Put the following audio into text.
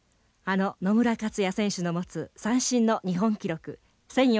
あの野村克也選手の持つ三振の日本記録１，４７８個です。